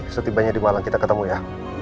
setibanya di malang kita ketemu ya